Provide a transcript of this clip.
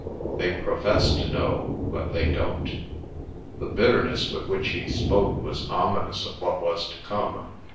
They profess to know; but they don't." The bitterness with which he spoke was ominous of what was to come.